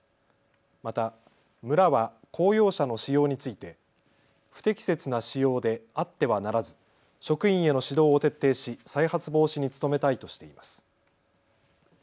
また、村は公用車の使用について不適切な使用であってはならず職員への指導を徹底し再発防止に努めたいとしています。